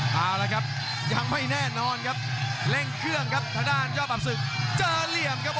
เอาละครับยังไม่แน่นอนครับเร่งเครื่องครับทางด้านยอดปรับศึกเจอเหลี่ยมครับ